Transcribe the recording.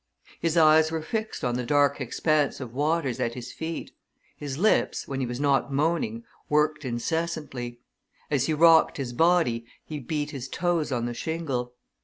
His eyes were fixed on the dark expanse of waters at his feet; his lips, when he was not moaning, worked incessantly; as he rocked his body he beat his toes on the shingle.